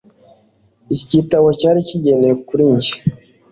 Iki gitabo cyari kigenewe kuri njye